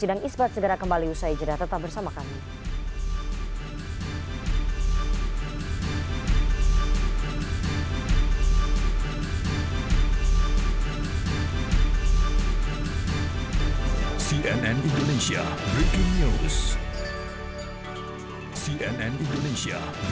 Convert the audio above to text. cnn indonesia breaking news